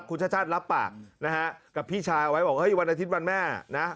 คุณชาติชาติรับปากนะฮะกับพี่ชายเอาไว้บอกเฮ้ยวันอาทิตย์วันแม่นะ